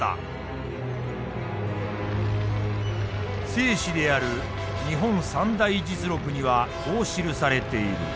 正史である「日本三代実録」にはこう記されている。